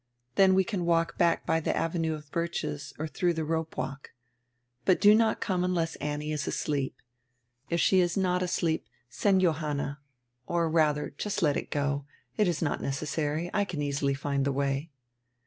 Then we can walk back by die avenue of birches or through die ropewalk. But do not come unless Annie is asleep. If she is not asleep send Johanna. Or, ratiier, just let it go. It is not necessary; I can easily find die way."